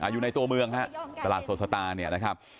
อยู่ในตัวเมืองตลาดสดสตา